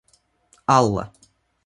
Алла